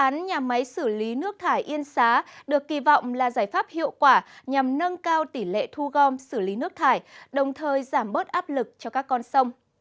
nước thải yên xá được kỳ vọng là giải pháp hiệu quả nhằm nâng cao tỷ lệ thu gom xử lý nước thải đồng thời giảm bớt áp lực cho các con sông